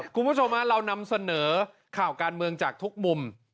คุณผู้ชมเรานำเสนอข่าวการเมืองจากทุกมุม